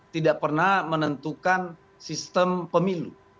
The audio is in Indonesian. tidak pernah menentukan sistem pemilu